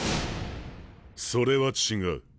それは違う。